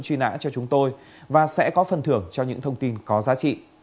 đối tượng truy nã cho chúng tôi và sẽ có phần thưởng cho những thông tin có giá trị